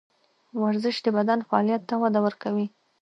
ورزش د بدن فعالیت ته وده ورکوي.